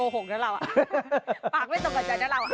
โกหกนะเราปากไม่ตกกับใจนะเรา